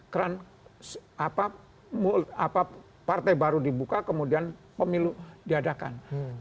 keran partai baru dibuka kemudian pemilu diadakan